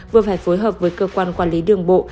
vừa phải phối hợp với cơ quan quản lý đường bộ